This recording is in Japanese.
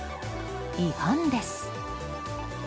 違反です。